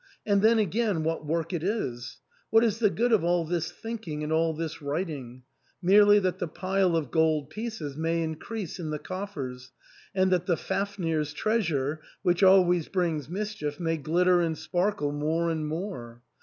And then again what work it is ! What is the good of all this thinking and all this writing ? Merely that the pile of gold pieces may increase in the coffers, and that the Fafnir's * treasure, which always brings mischief, may glitter and sparkle more and more